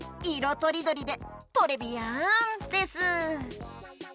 とりどりでトレビアンです。